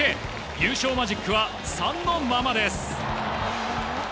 優勝マジックは３のままです。